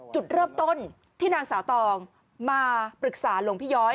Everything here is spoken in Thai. จุดเริ่มต้นที่นางสาวตองมาปรึกษาหลวงพี่ย้อย